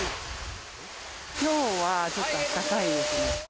きょうはちょっと温かいです